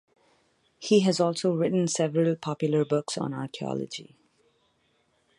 He has also written several popular books on archaeology.